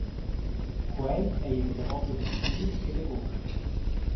Quei ei ina damonda da stil e da gust.